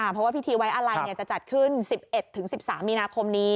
เพราะว่าพิธีไว้อาลัยเนี่ยจะจัดขึ้นสิบเอ็ดถึงสิบสามมีนาคมนี้